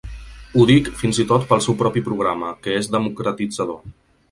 Ho dic fins i tot pel seu propi programa, que és democratitzador.